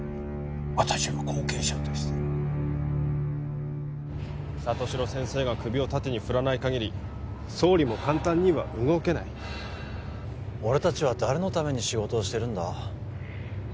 私の後継者として里城先生が首を縦に振らないかぎり総理も簡単には動けない俺達は誰のために仕事をしてるんだ？